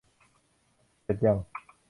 เสร็จยัง